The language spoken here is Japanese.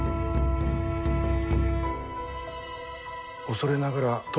恐れながら殿。